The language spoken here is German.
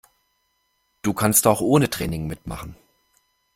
Da kannst du auch ohne Training mitmachen.